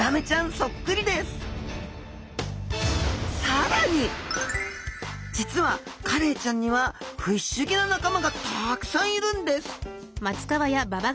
そっくりです実はカレイちゃんにはフィッシュギな仲間がたくさんいるんです！